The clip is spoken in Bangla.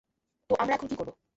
তো আমরা এখন কী করবো?